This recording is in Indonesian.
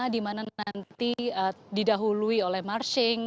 di mana nanti didahului oleh marching